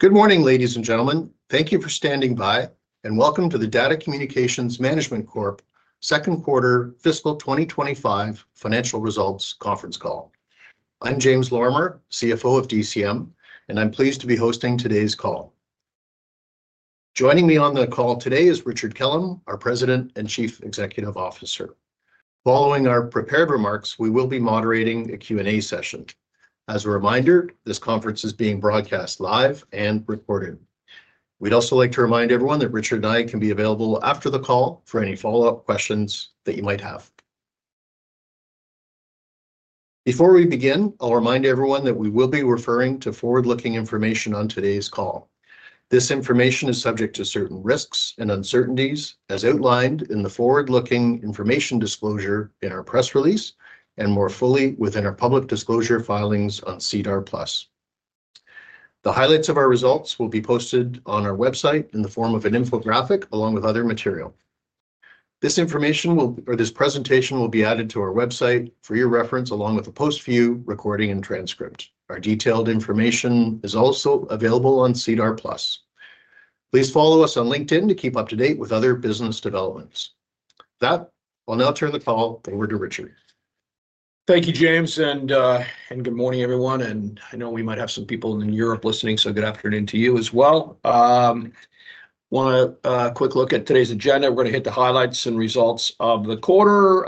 Good morning, ladies and gentlemen. Thank you for standing by, and welcome to the DATA Communications Management Corp., Second Quarter, Fiscal 2025, Financial Results Conference Call. I'm James Lorimer, CFO of DCM, and I'm pleased to be hosting today's call. Joining me on the call today is Richard Kellam, our President and Chief Executive Officer. Following our prepared remarks, we will be moderating a Q&A session. As a reminder, this conference is being broadcast live and recorded. We'd also like to remind everyone that Richard and I can be available after the call for any follow-up questions that you might have. Before we begin, I'll remind everyone that we will be referring to forward-looking information on today's call. This information is subject to certain risks and uncertainties, as outlined in the forward-looking information disclosure in our press release and more fully within our public disclosure filings on SEDAR+. The highlights of our results will be posted on our website in the form of an infographic along with other material. This presentation will be added to our website for your reference along with a post-view recording and transcript. Our detailed information is also available on SEDAR+. Please follow us on LinkedIn to keep up to date with other business developments. With that, I'll now turn the call over to Richard. Thank you, James, and good morning, everyone. I know we might have some people in Europe listening, so good afternoon to you as well. I want to take a quick look at today's agenda. We're going to hit the highlights and results of the quarter,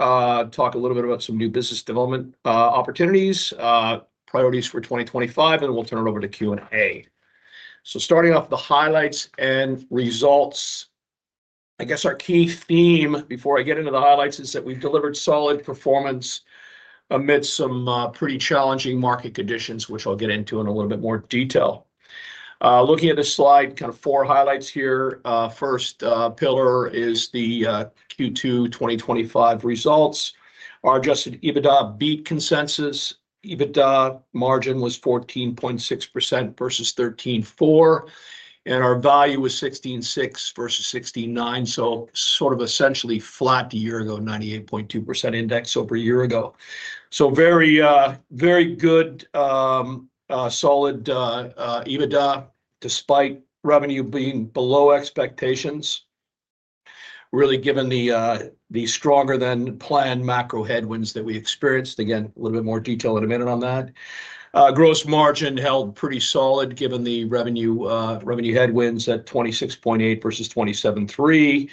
talk a little bit about some new business development opportunities, priorities for 2025, and then we'll turn it over to Q&A. Starting off the highlights and results, I guess our key theme before I get into the highlights is that we've delivered solid performance amidst some pretty challenging market conditions, which I'll get into in a little bit more detail. Looking at this slide, kind of four highlights here. First pillar is the Q2 2025 results. Our adjusted EBITDA beat consensus. EBITDA margin was 14.6% versus 13.4%, and our value was 16.6% versus 16.9%. Essentially flat a year ago, 98.2% index over a year ago. Very, very good, solid EBITDA despite revenue being below expectations, really given the stronger than planned macro headwinds that we experienced. A little bit more detail in a minute on that. Gross margin held pretty solid given the revenue headwinds at 26.8% versus 27.3%.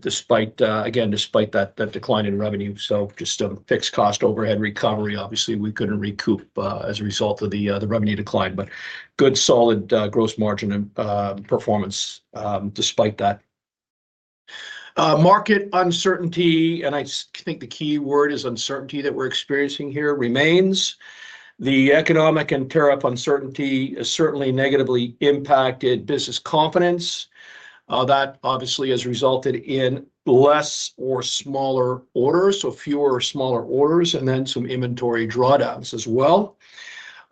Despite that decline in revenue. Just a fixed cost overhead recovery. Obviously, we couldn't recoup as a result of the revenue decline, but good solid gross margin and performance despite that. Market uncertainty, and I think the key word is uncertainty that we're experiencing here, remains. The economic and tariff uncertainty has certainly negatively impacted business confidence. That obviously has resulted in less or smaller orders, so fewer or smaller orders, and then some inventory drawdowns as well.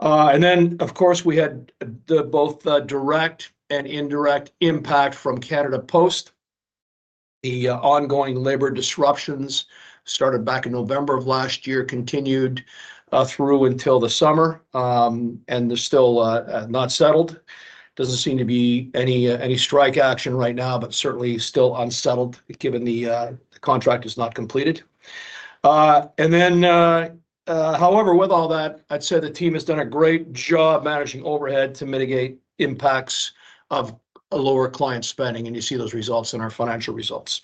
We had both direct and indirect impact from Canada Post. The ongoing labor disruptions started back in November of last year, continued through until the summer, and they're still not settled. Doesn't seem to be any strike action right now, but certainly still unsettled given the contract is not completed. With all that, I'd say the team has done a great job managing overhead to mitigate impacts of a lower client spending, and you see those results in our financial results.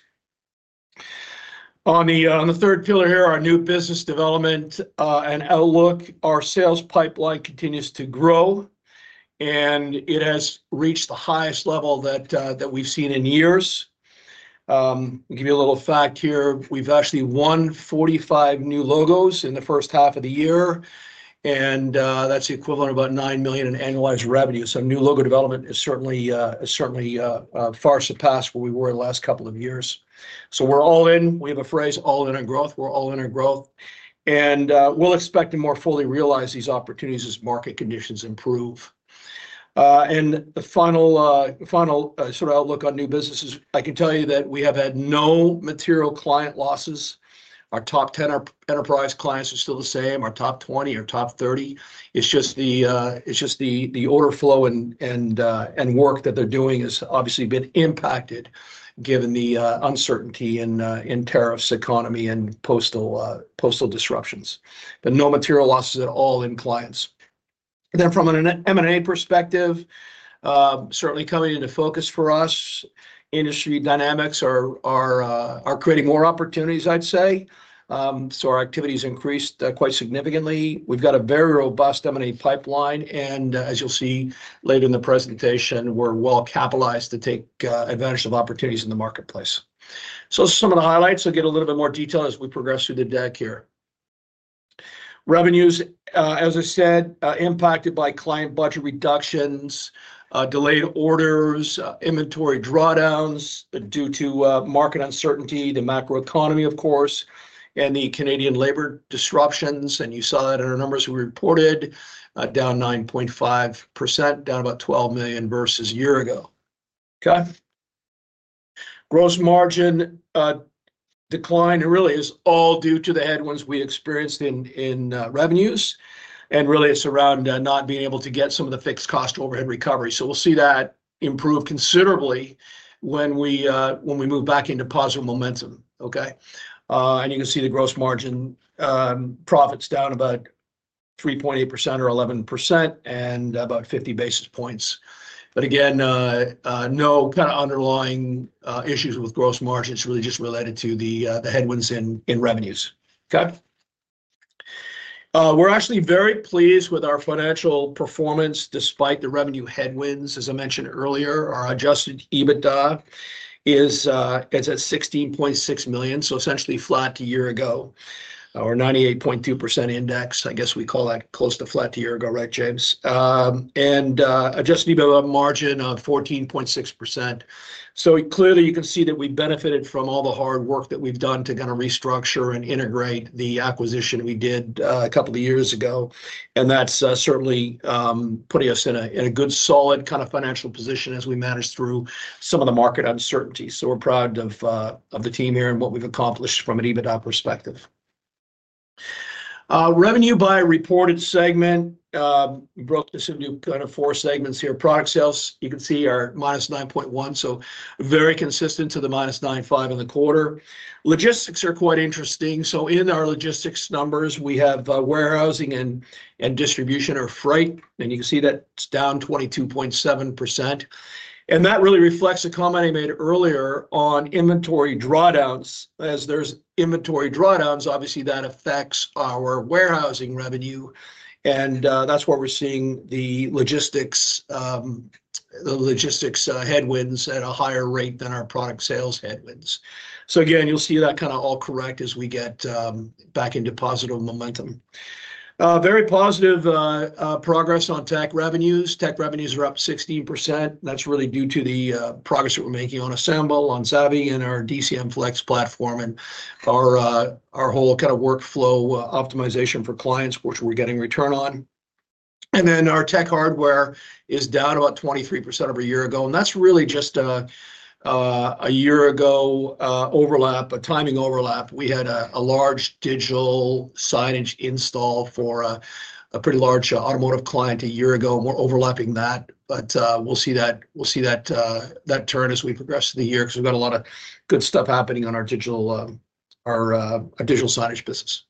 On the third pillar here, our new business development and outlook, our sales pipeline continues to grow, and it has reached the highest level that we've seen in years. I'll give you a little fact here. We've actually won 45 new logos in the first half of the year, and that's the equivalent of about 9 million in annualized revenue. New logo development is certainly far surpassed where we were in the last couple of years. We're all in. We have a phrase, all in on growth. We're all in on growth. We'll expect to more fully realize these opportunities as market conditions improve. The final sort of outlook on new business, I can tell you that we have had no material client losses. Our top 10 enterprise clients are still the same. Our top 20 or top 30, it's just the order flow and work that they're doing has obviously been impacted given the uncertainty in tariffs, economy, and postal disruptions. No material losses at all in clients. From an M&A perspective, certainly coming into focus for us, industry dynamics are creating more opportunities, I'd say. Our activities increased quite significantly. We've got a very robust M&A pipeline, and as you'll see later in the presentation, we're well capitalized to take advantage of opportunities in the marketplace. Some of the highlights, I'll get a little bit more detail as we progress through the deck here. Revenues, as I said, impacted by client budget reductions, delayed orders, inventory drawdowns due to market uncertainty, the macro economy, of course, and the Canadian labor disruptions. You saw that in our numbers we reported, down 9.5%, down about 12 million versus a year ago. Gross margin decline, it really is all due to the headwinds we experienced in revenues and really is around not being able to get some of the fixed cost overhead recovery. We'll see that improve considerably when we move back into positive momentum. You can see the gross margin profits down about 3.8% or 11% and about 50 basis points. Again, no kind of underlying issues with gross margins. It's really just related to the headwinds in revenues. We're actually very pleased with our financial performance despite the revenue headwinds. As I mentioned earlier, our adjusted EBITDA is at 16.6 million, so essentially flat a year ago. Our 98.2% index, I guess we call that close to flat a year ago, right, James? Adjusted EBITDA margin on 14.6%. Clearly, you can see that we benefited from all the hard work that we've done to kind of restructure and integrate the acquisition we did a couple of years ago. That's certainly putting us in a good, solid kind of financial position as we manage through some of the market uncertainties. We're proud of the team here and what we've accomplished from an EBITDA perspective. Revenue by a reported segment, we broke this into kind of four segments here. Product sales, you can see are -9.1%. Very consistent to the -9.5% in the quarter. Logistics are quite interesting. In our logistics numbers, we have warehousing and distribution or freight, and you can see that it's down 22.7%. That really reflects a comment I made earlier on inventory drawdowns. As there's inventory drawdowns, obviously that affects our warehousing revenue. That's why we're seeing the logistics headwinds at a higher rate than our product sales headwinds. You'll see that kind of all correct as we get back into positive momentum. Very positive progress on tech revenues. Tech revenues are up 16%. That's really due to the progress that we're making on ASMBL, on Zavy, and our DCM Flex platform and our whole kind of workflow optimization for clients, which we're getting return on. Our tech hardware is down about 23% over a year ago. That's really just a year ago overlap, a timing overlap. We had a large digital signage install for a pretty large automotive client a year ago, and we're overlapping that. We'll see that turn as we progress through the year because we've got a lot of good stuff happening on our digital signage business.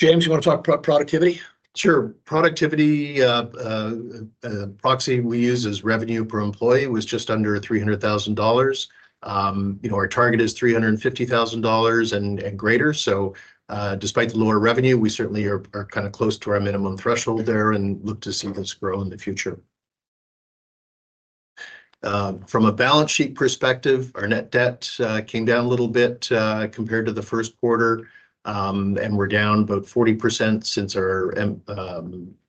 James, you want to talk about productivity? Sure. Productivity, the proxy we use is revenue per employee, was just under 300,000 dollars. Our target is 350,000 dollars and greater. Despite the lower revenue, we certainly are kind of close to our minimum threshold there and look to see this grow in the future. From a balance sheet perspective, our net debt came down a little bit compared to the first quarter, and we're down about 40% since our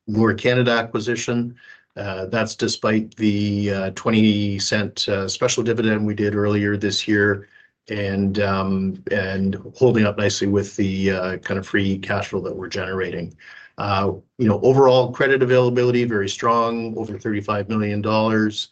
Moore Canada acquisition. That's despite the 0.20 special dividend we did earlier this year and holding up nicely with the kind of free cash flow that we're generating. Overall credit availability, very strong, over 35 million dollars.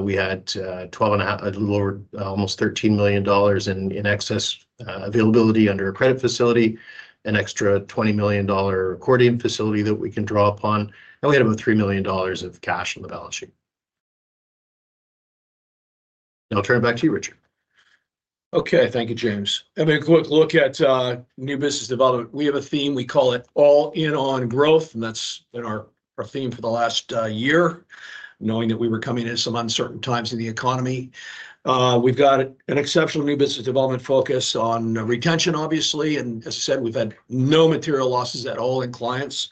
We had 12.5 million, almost 13 million dollars in excess availability under a credit facility, an extra 20 million dollar recording facility that we can draw upon. We had about 3 million dollars of cash in the balance sheet. I'll turn it back to you, Richard. Okay. Thank you, James. We look at new business development. We have a theme we call it all in on growth, and that's been our theme for the last year, knowing that we were coming at some uncertain times in the economy. We've got an exceptional new business development focus on retention, obviously. As I said, we've had no material losses at all in clients.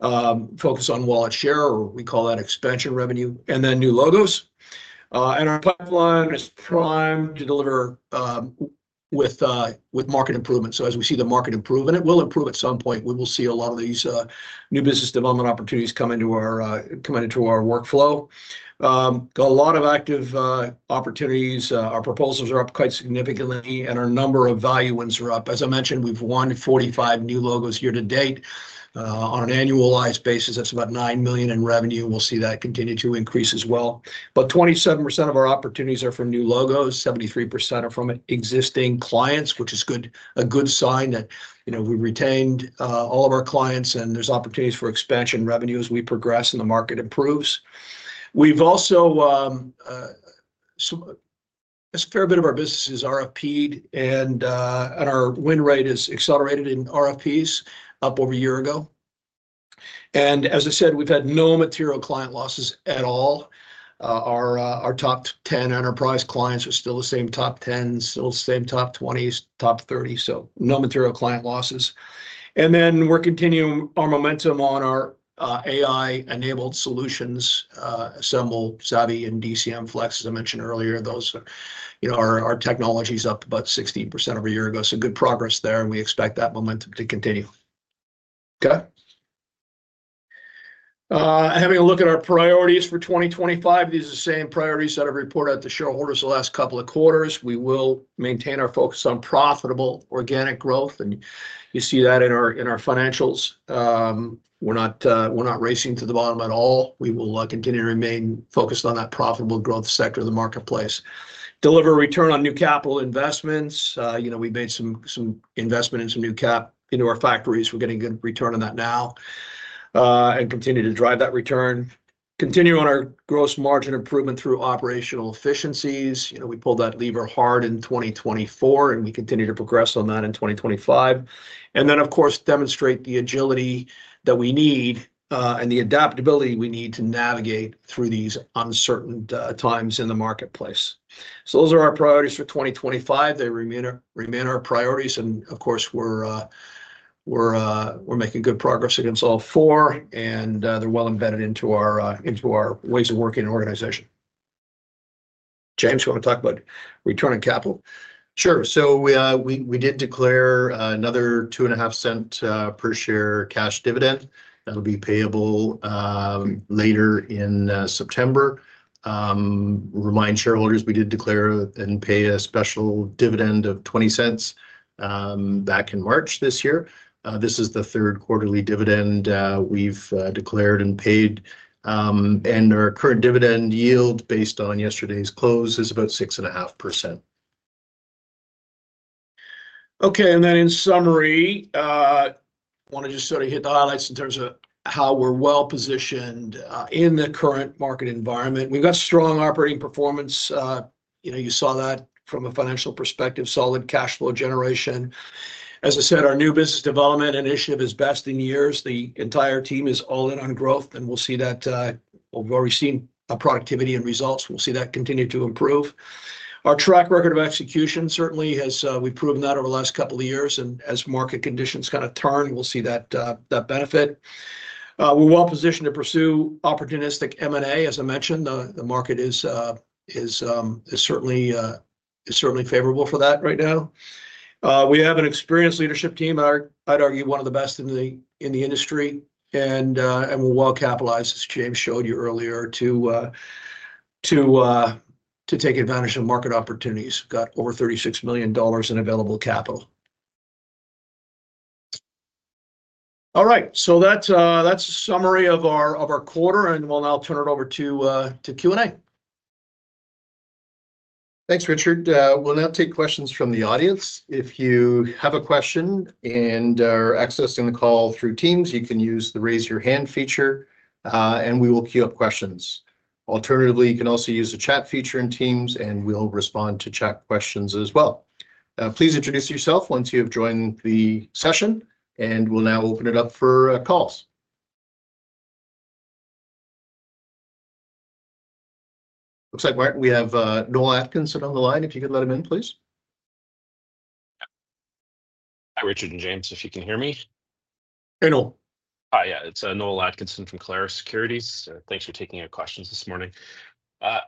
Focus on wallet share, or we call that expansion revenue, and then new logos. Our pipeline is trying to deliver with market improvement. As we see the market improvement, it will improve at some point. We will see a lot of these new business development opportunities come into our workflow. A lot of active opportunities. Our proposals are up quite significantly, and our number of value wins are up. As I mentioned, we've won 45 new logos year to date. On an annualized basis, that's about 9 million in revenue. We'll see that continue to increase as well. 27% of our opportunities are from new logos. 73% are from existing clients, which is a good sign that we retained all of our clients, and there's opportunities for expansion revenue as we progress and the market improves. Also, a fair bit of our business is RFPed, and our win rate is accelerated in RFPs up over a year ago. As I said, we've had no material client losses at all. Our top 10 enterprise clients are still the same top 10s, still the same top 20s, top 30s. No material client losses. We're continuing our momentum on our AI-enabled solutions, ASMBL, Zavy, and DCM Flex, as I mentioned earlier. Our technology is up about 16% over a year ago. Good progress there, and we expect that momentum to continue. Okay. Having a look at our priorities for 2025, these are the same priorities that I've reported out to shareholders the last couple of quarters. We will maintain our focus on profitable organic growth, and you see that in our financials. We're not racing to the bottom at all. We will continue to remain focused on that profitable growth sector of the marketplace. Deliver a return on new capital investments. We made some investment into new cap into our factories. We're getting good return on that now and continue to drive that return. Continue on our gross margin improvement through operational efficiencies. We pulled that lever hard in 2024, and we continue to progress on that in 2025. Of course, demonstrate the agility that we need and the adaptability we need to navigate through these uncertain times in the marketplace. Those are our priorities for 2025. They remain our priorities, and we're making good progress against all four, and they're well embedded into our ways of working in our organization. James, you want to talk about return on capital? Sure. We did declare another 0.025 per share cash dividend. That'll be payable later in September. Remind shareholders we did declare and pay a special dividend of 0.20 back in March this year. This is the third quarterly dividend we've declared and paid. Our current dividend yield based on yesterday's close is about 6.5%. Okay. In summary, I want to just sort of hit the highlights in terms of how we're well positioned in the current market environment. We've got strong operating performance. You saw that from a financial perspective, solid cash flow generation. As I said, our new business development initiative is best in years. The entire team is all in on growth, and we'll see that. We've already seen productivity and results. We'll see that continue to improve. Our track record of execution certainly has, we've proven that over the last couple of years, and as market conditions kind of turn, we'll see that benefit. We're well positioned to pursue opportunistic M&A. As I mentioned, the market is certainly favorable for that right now. We have an experienced leadership team, I'd argue one of the best in the industry, and we're well capitalized, as James showed you earlier, to take advantage of market opportunities. We've got over 36 million dollars in available capital. All right. That's a summary of our quarter, and we'll now turn it over to Q&A. Thanks, Richard. We'll now take questions from the audience. If you have a question and are accessing the call through Teams, you can use the raise your hand feature, and we will queue up questions. Alternatively, you can also use the chat feature in Teams, and we'll respond to chat questions as well. Please introduce yourself once you have joined the session, and we'll now open it up for calls. Looks like, we have Noel Atkinson on the line. If you could let him in, please. Hi, Richard and James. Can you hear me? Hey, Noel. Hi. Yeah, it's Noel Atkinson from Clarus Securities. Thanks for taking our questions this morning.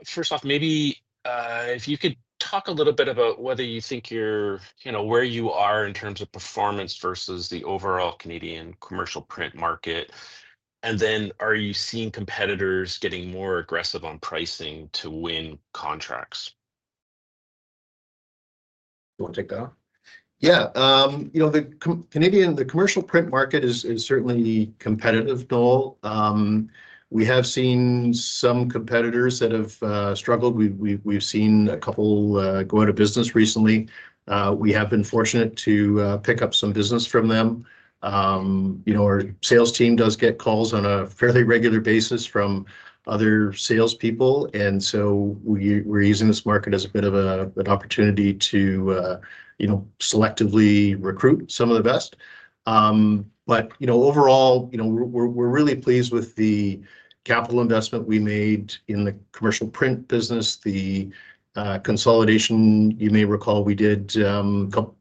First off, maybe if you could talk a little bit about whether you think you're, you know, where you are in terms of performance versus the overall Canadian commercial print market, and then are you seeing competitors getting more aggressive on pricing to win contracts? You want to take that off? Yeah. You know, the Canadian, the commercial print market is certainly competitive, Noel. We have seen some competitors that have struggled. We've seen a couple go out of business recently. We have been fortunate to pick up some business from them. Our sales team does get calls on a fairly regular basis from other salespeople, and we're using this market as a bit of an opportunity to selectively recruit some of the best. Overall, we're really pleased with the capital investment we made in the commercial print business. The consolidation, you may recall, we did about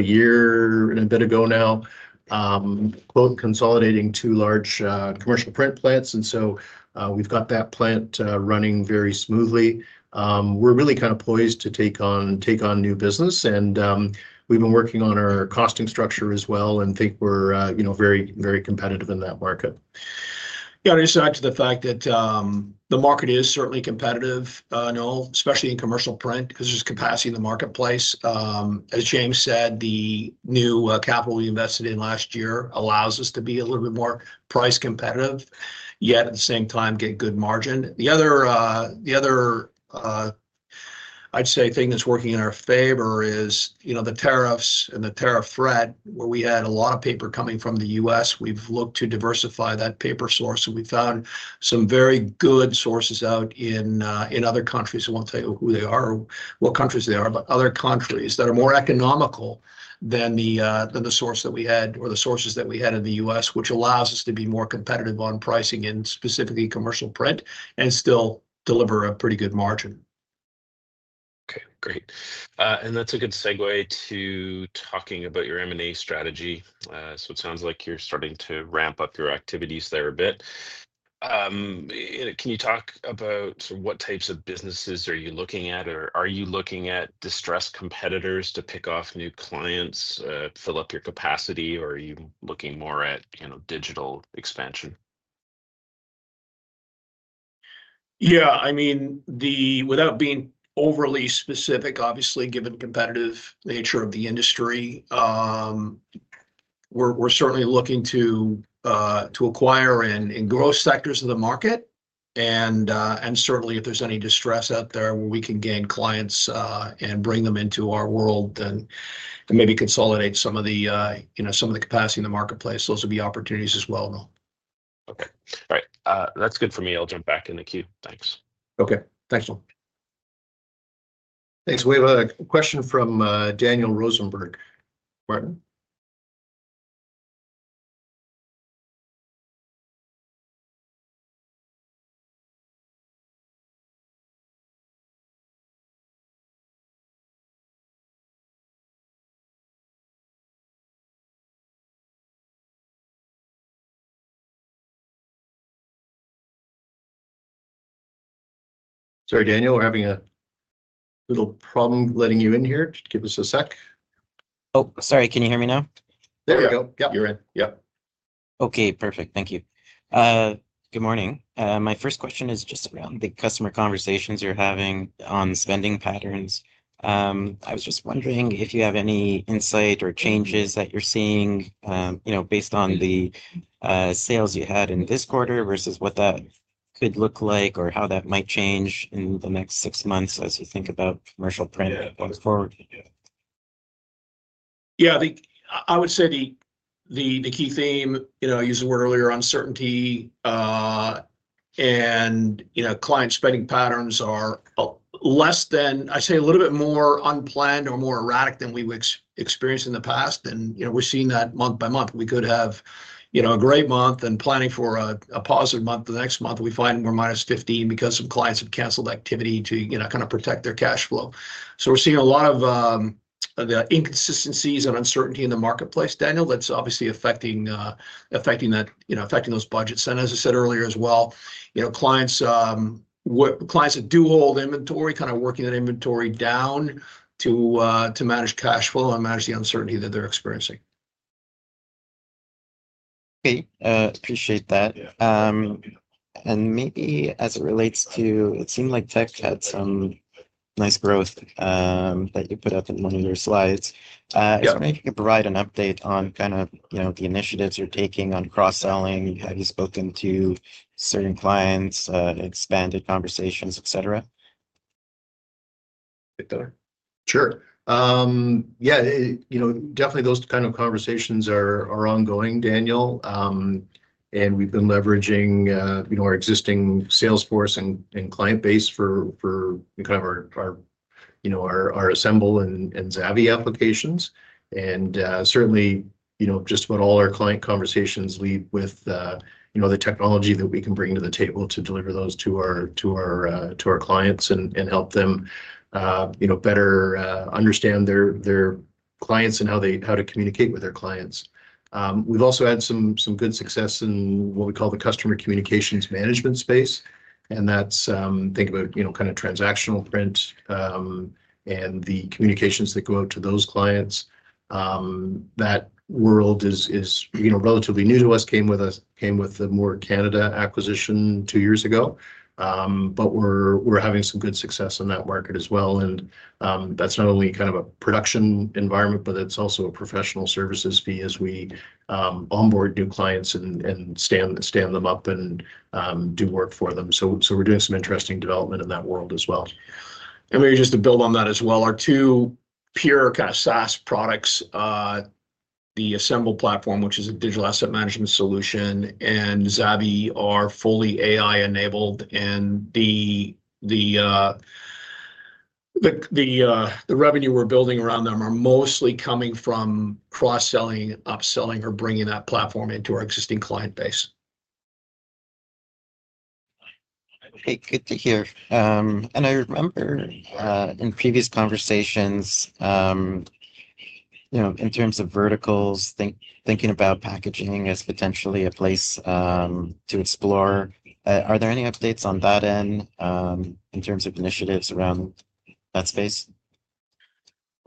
a year and a bit ago now, consolidating two large commercial print plants, and we've got that plant running very smoothly. We're really kind of poised to take on new business, and we've been working on our costing structure as well, and I think we're very, very competitive in that market. Yeah, I'd just add to the fact that the market is certainly competitive, Noel, especially in commercial print because there's capacity in the marketplace. As James said, the new capital we invested in last year allows us to be a little bit more price competitive, yet at the same time, get good margin. The other thing that's working in our favor is the tariffs and the tariff threat where we had a lot of paper coming from the U.S. We've looked to diversify that paper source, and we found some very good sources out in other countries. I won't tell you who they are or what countries they are, but other countries that are more economical than the source that we had or the sources that we had in the U.S., which allows us to be more competitive on pricing and specifically commercial print and still deliver a pretty good margin. Okay, great. That's a good segue to talking about your M&A strategy. It sounds like you're starting to ramp up your activities there a bit. Can you talk about sort of what types of businesses are you looking at, are you looking at distressed competitors to pick off new clients, fill up your capacity, or are you looking more at, you know, digital expansion? Yeah, I mean, without being overly specific, obviously, given the competitive nature of the industry, we're certainly looking to acquire and grow sectors of the market. If there's any distress out there where we can gain clients and bring them into our world and maybe consolidate some of the capacity in the marketplace, those would be opportunities as well, Noel. Okay, all right. That's good for me. I'll jump back in the queue. Thanks. Okay. Thanks, Noel. Thanks. We have a question from Daniel Rosenberg. Sorry, Daniel, we're having a little problem letting you in here. Just give us a sec. Oh, sorry. Can you hear me now? There we go. Yep. You're in, yeah. Okay. Perfect. Thank you. Good morning. My first question is just around the customer conversations you're having on spending patterns. I was just wondering if you have any insight or changes that you're seeing based on the sales you had in this quarter versus what that could look like or how that might change in the next six months as you think about commercial print going forward. Yeah, I think I would say the key theme, you know, I used the word earlier, uncertainty, and, you know, client spending patterns are less than, I'd say, a little bit more unplanned or more erratic than we would experience in the past. You know, we're seeing that month by month. We could have, you know, a great month and planning for a positive month. The next month, we find we're -15% because some clients have canceled activity to, you know, kind of protect their cash flow. We're seeing a lot of the inconsistencies and uncertainty in the marketplace, Daniel, that's obviously affecting that, you know, affecting those budgets. As I said earlier as well, you know, clients that do hold inventory, kind of working that inventory down to manage cash flow and manage the uncertainty that they're experiencing. Hey, I appreciate that. Maybe as it relates to, it seemed like tech had some nice growth that you put up in one of your slides. If you could provide an update on kind of, you know, the initiatives you're taking on cross-selling, have you spoken to certain clients, expanded conversations, etc.? Sure. Yeah, you know, definitely those kind of conversations are ongoing, Daniel. We've been leveraging our existing Salesforce and client base for our ASMBL and Zavy applications. Certainly, just what all our client conversations lead with is the technology that we can bring to the table to deliver those to our clients and help them better understand their clients and how they communicate with their clients. We've also had some good success in what we call the customer communications management space. That's, think about transactional print and the communications that go out to those clients. That world is relatively new to us. Came with a Moore Canada acquisition two years ago. We're having some good success in that market as well. That's not only a production environment, but it's also a professional services fee as we onboard new clients and stand them up and do work for them. We're doing some interesting development in that world as well. Maybe just to build on that as well, our two pure SaaS products, the ASMBL platform, which is a digital asset management solution, and Zavy are fully AI-enabled. The revenue we're building around them is mostly coming from cross-selling, upselling, or bringing that platform into our existing client base. Hey, good to hear. I remember, in previous conversations, in terms of verticals, thinking about packaging as potentially a place to explore. Are there any updates on that end, in terms of initiatives around that space?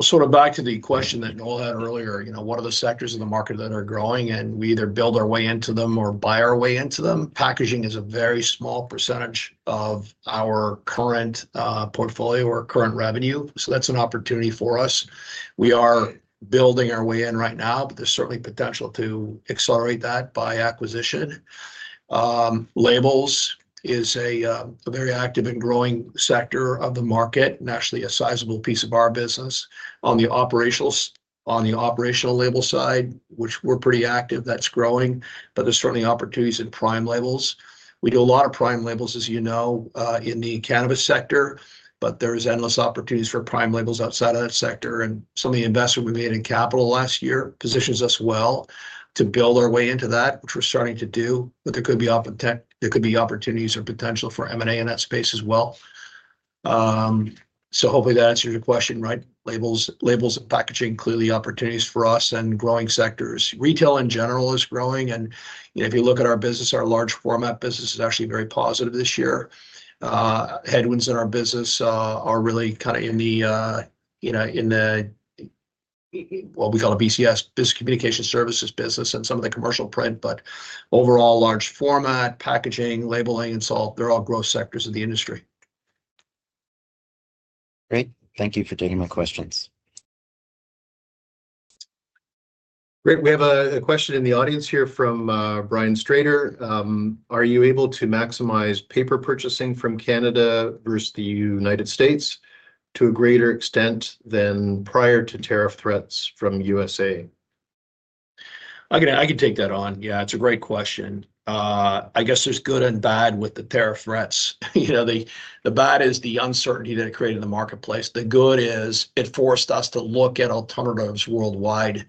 Sort of back to the question that Noel had earlier, you know, what are the sectors of the market that are growing and we either build our way into them or buy our way into them? Packaging is a very small percentage of our current portfolio or current revenue. That's an opportunity for us. We are building our way in right now, but there's certainly potential to accelerate that by acquisition. Labels is a very active and growing sector of the market and actually a sizable piece of our business. On the operational label side, which we're pretty active, that's growing, but there's certainly opportunities in prime labels. We do a lot of prime labels, as you know, in the cannabis sector, but there's endless opportunities for prime labels outside of that sector. Some of the investment we made in capital last year positions us well to build our way into that, which we're starting to do. There could be opportunities or potential for M&A in that space as well. Hopefully that answers your question, right? Labels and packaging are clearly opportunities for us and growing sectors. Retail in general is growing. If you look at our business, our large format business is actually very positive this year. Headwinds in our business are really kind of in the, you know, in what we call the BCS, business communication services business and some of the commercial print. Overall, large format, packaging, labeling, they're all growth sectors of the industry. Great. Thank you for taking my questions. Great. We have a question in the audience here from Brian Strader. Are you able to maximize paper purchasing from Canada versus the United States to a greater extent than prior to tariff threats from the U.S.? I can take that on. Yeah, it's a great question. I guess there's good and bad with the tariff threats. The bad is the uncertainty that it created in the marketplace. The good is it forced us to look at alternatives worldwide.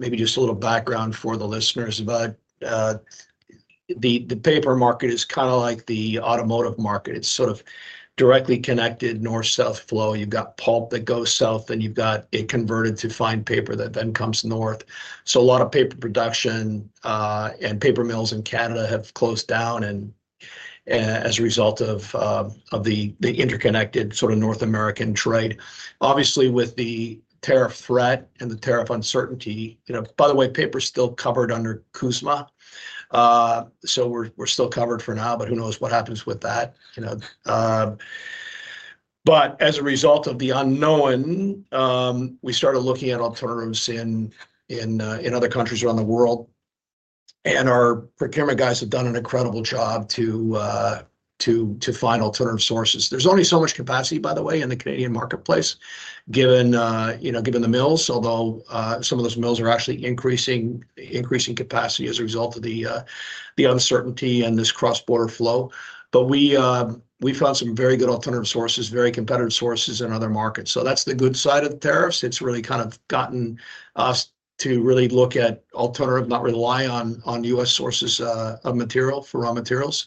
Maybe just a little background for the listeners about the paper market is kind of like the automotive market. It's sort of directly connected north-south flow. You've got pulp that goes south, and you've got it converted to fine paper that then comes north. A lot of paper production and paper mills in Canada have closed down as a result of the interconnected sort of North American trade. Obviously, with the tariff threat and the tariff uncertainty, by the way, paper is still covered under CUSMA. We're still covered for now, but who knows what happens with that. As a result of the unknown, we started looking at alternatives in other countries around the world. Our procurement guys have done an incredible job to find alternative sources. There's only so much capacity, by the way, in the Canadian marketplace, given the mills, although some of those mills are actually increasing capacity as a result of the uncertainty and this cross-border flow. We found some very good alternative sources, very competitive sources in other markets. That's the good side of the tariffs. It's really kind of gotten us to really look at alternative, not rely on U.S. sources of material, for raw materials.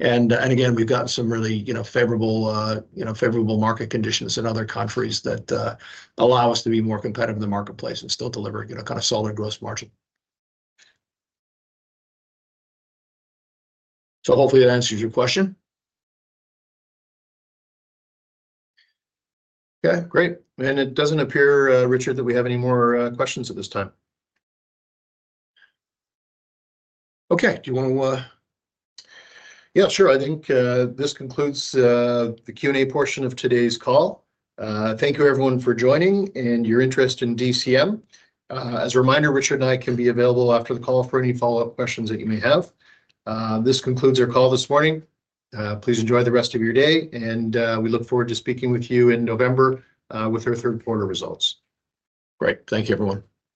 Again, we've gotten some really favorable market conditions in other countries that allow us to be more competitive in the marketplace and still deliver kind of solid gross margin. Hopefully that answers your question. Okay, great. It doesn't appear, Richard, that we have any more questions at this time. Okay. Do you want to. Yeah, sure. I think this concludes the Q&A portion of today's call. Thank you, everyone, for joining and your interest in DCM. As a reminder, Richard and I can be available after the call for any follow-up questions that you may have. This concludes our call this morning. Please enjoy the rest of your day, and we look forward to speaking with you in November with our third quarter results. Great. Thank you, everyone.